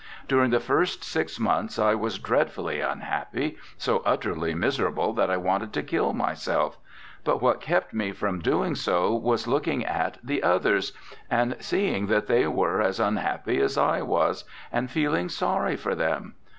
During the first six months I was dreadfully unhappy, so utterly miserable that I wanted to kill myself, but what kept me from doing so was looking at the others, and seeing that they were as unhappy as I was, and feeling sorry for them.